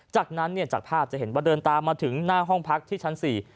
จากนั้นเนี่ยจากภาพจะเห็นว่าเดินตามมาถึงหน้าห้องพักที่ชั้น๔